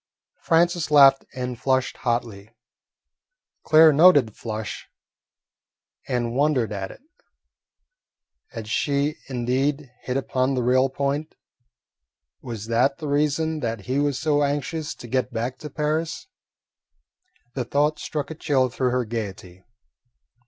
Francis laughed and flushed hotly. Claire noted the flush and wondered at it. Had she indeed hit upon the real point? Was that the reason that he was so anxious to get back to Paris? The thought struck a chill through her gaiety.